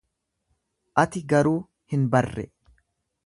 Ati garuu hin barre